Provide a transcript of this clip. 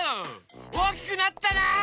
おおきくなったなあ！